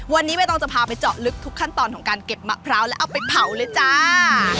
วันนี้ใบตองจะพาไปเจาะลึกทุกขั้นตอนของการเก็บมะพร้าวแล้วเอาไปเผาเลยจ้า